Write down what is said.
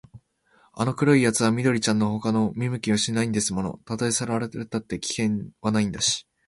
あの黒いやつは緑ちゃんのほかの子は見向きもしないんですもの。たとえさらわれたって、危険はないんだし、